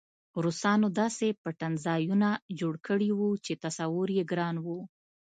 روسانو داسې پټنځایونه جوړ کړي وو چې تصور یې ګران و